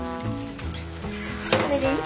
これでいい？